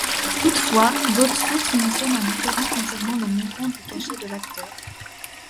Toutefois, d'autres sources mentionnent un différend concernant le montant du cachet de l'acteur.